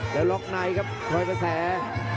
เดี๋ยวล็อกไหนครับคอยมาแสง